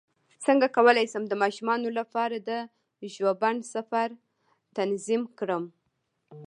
څنګه کولی شم د ماشومانو لپاره د ژوبڼ سفر تنظیم کړم